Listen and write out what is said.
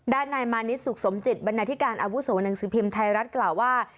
นายมานิดสุขสมจิตบรรณาธิการอาวุโสหนังสือพิมพ์ไทยรัฐกล่าวว่า